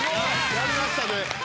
やりましたね。